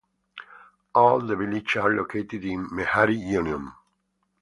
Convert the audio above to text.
All the villages are located in Mehari Union.